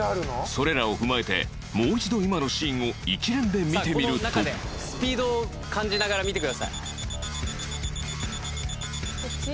それらを踏まえてもう一度、今のシーンを一連で見てみると満島：スピードを感じながら見てください。